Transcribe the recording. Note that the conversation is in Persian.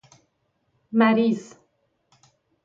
مریض